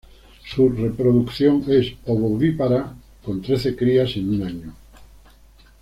Su reproducción es ovovivípara, con trece crías en un año.